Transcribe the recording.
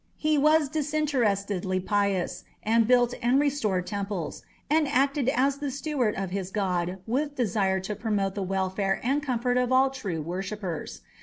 He was disinterestedly pious, and built and restored temples, and acted as the steward of his god with desire to promote the welfare and comfort of all true worshippers.